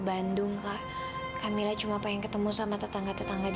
sampai jumpa di video selanjutnya